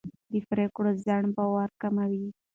د پرېکړو ځنډ باور کموي